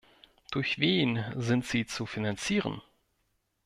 Durch wen sind sie zu finanzieren?